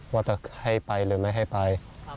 ว่าจะให้ไปหรือไม่ให้ไป